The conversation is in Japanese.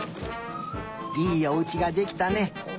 いいおうちができたね。